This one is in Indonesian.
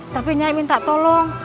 tapi nyai minta tolong